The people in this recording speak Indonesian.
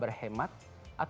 untuk simpan kan